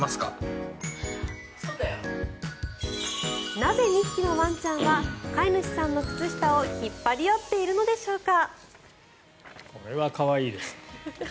なぜ、２匹のワンちゃんは飼い主さんの靴下を引っ張り合っているのでしょうか。